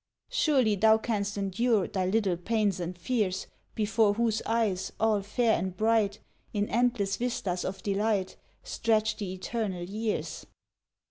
" Surely, thou canst endure Thy little pains and fears, Before whose eyes, all fair and bright, In endless vistas of delight Stretch the Eternal Years!